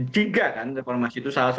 tiga kan reformasi itu salah